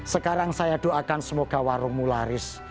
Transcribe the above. sekarang saya doakan semoga warungmu laris